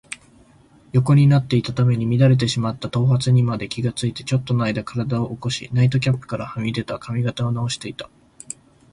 横になっていたために乱れてしまった頭髪にまで気がついて、ちょっとのあいだ身体を起こし、ナイトキャップからはみ出た髪形をなおしていた。